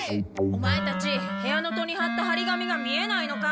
オマエたち部屋の戸にはったはり紙が見えないのか？